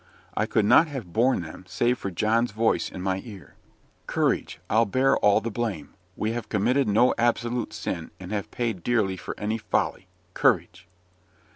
I could not have borne them, save for John's voice in my ear. "Courage! I'll bear all the blame. We have committed no absolute sin, and have paid dearly for any folly. Courage!"